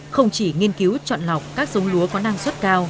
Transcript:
không chỉ nghiên cứu chọn lọc các giống lúa có năng suất cao